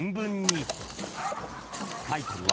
［タイトルは］